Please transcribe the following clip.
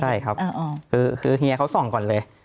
ใช่ครับคือเฮียเขาส่องก่อนเลย